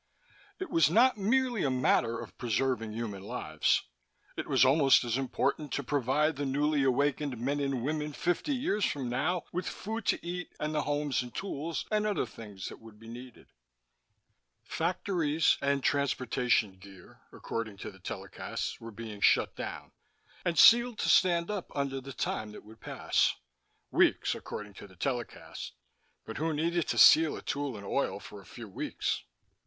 It was not merely a matter of preserving human lives. It was almost as important to provide the newly awakened men and women, fifty years from now, with food to eat and the homes and tools and other things that would be needed. Factories and transportation gear according to the telecasts were being shut down and sealed to stand up under the time that would pass "weeks," according to the telecast, but who needed to seal a tool in oil for a few weeks?